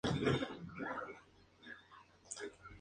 Su primer Arnold Classic, Night of Champions y Mr.